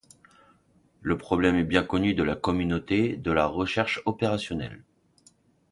Le problème est bien connu de la communauté de la recherche opérationnelle.